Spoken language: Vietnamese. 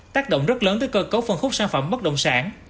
tác động rất lớn tới cơ cấu phân khúc sản phẩm bất động sản